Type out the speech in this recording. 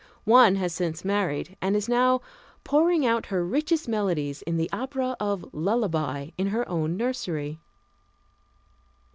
One has since married, and is now pouring out her richest melodies in the opera of lullaby in her own nursery.